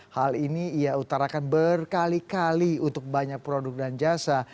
hal ini ia utarakan berkali kali untuk banyak produk dan jasa